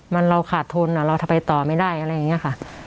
มันเราขาดทุนเราจะไปต่อไม่ได้อะไรอย่างนี้ค่ะ